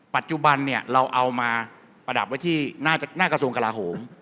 ปัจจุบันเนี่ยเราเอามาประดับไว้ที่หน้ากระทรวงกลาโหม